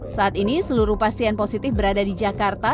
saat ini seluruh pasien positif berada di jakarta